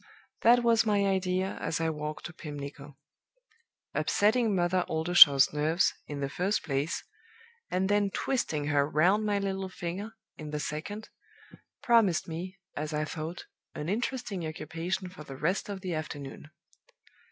That was my idea as I walked to Pimlico. Upsetting Mother Oldershaw's nerves, in the first place, and then twisting her round my little finger, in the second, promised me, as I thought, an interesting occupation for the rest of the afternoon.